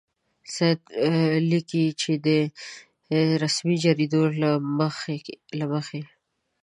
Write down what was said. سید لیکي چې د رسمي جریدو له مخې.